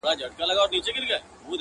ښکلا پر سپینه غاړه ,